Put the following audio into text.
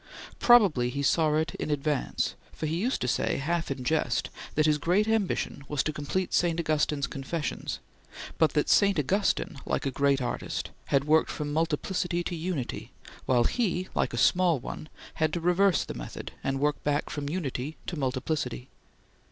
Probably he saw it in advance, for he used to say, half in jest, that his great ambition was to complete St. Augustine's "Confessions," but that St. Augustine, like a great artist, had worked from multiplicity to unity, while he, like a small one, had to reverse the method and work back from unity to multiplicity.